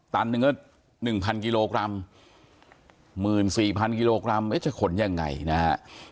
ตันหนึ่งก็หนึ่งพันกิโลกรัมหมื่นสี่พันกิโลกรัมเอ๊ะจะขนยังไงนะฮะ